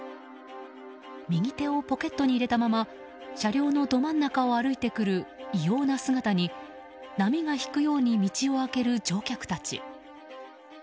右手をポケットに入れたまま車道のど真ん中を歩いてくる異様な姿に波が引くように道を空ける乗客たち。